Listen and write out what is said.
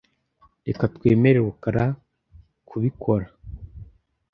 Reka twemere rukara kubikora .